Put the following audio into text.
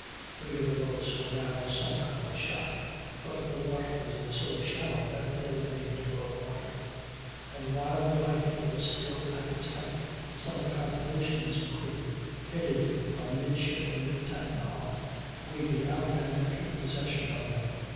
Three of the boats were now sunk by shot, but the water was so shallow that they remained above water; and while the fighting was still at its height, some of the Constellation's crew, headed by Midshipman Tatnall, waded out and took possession of them.